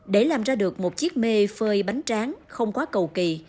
để làm ra được một chiếc mê phơi bánh tráng không quá cầu kỳ